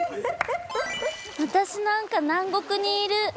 私なんか南国にいる。